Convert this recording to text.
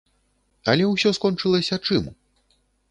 Але ўсё скончылася чым?